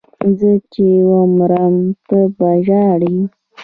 زه چې ومرم ته به ژاړې